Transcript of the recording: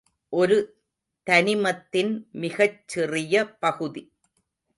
ஒரு தனிமத்தின் மிகச் சிறிய பகுதி.